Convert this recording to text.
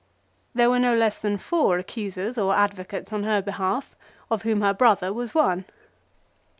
There were no less than four accusers, or advocates on her behalf, of whom her brother was one.